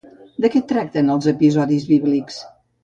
De què tracten els episodis bíblics?